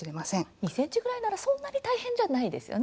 ２ｃｍぐらいならそんなに大変じゃないですよね。